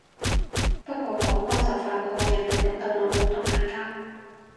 不過講開就發覺人人老豆老母都嗌交